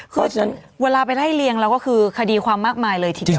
เพราะฉะนั้นเวลาไปได้เรียงแล้วก็คือคดีความมากมายเลยทีเดียว